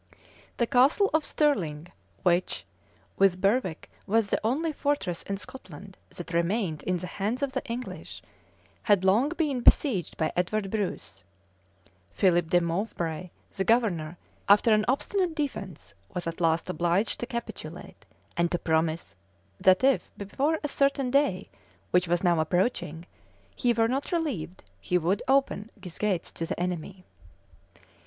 The Castle of Stirling, which, with Berwick, was the only fortress in Scotland that remained in the hands of the English, had long been besieged by Edward Bruce: Philip de Mowbray, the governor, after an obstinate defence, was at last obliged to capitulate, and to promise, that if, before a certain day, which was now approaching, he were not relieved, he should open his gates to the enemy.[*] * Rymer, vol. iii. p. 481.